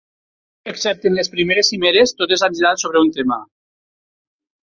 Excepte en les primeres Cimeres, totes han girat sobre un tema.